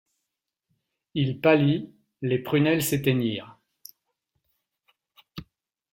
Il pâlit, les prunelles s'éteignirent.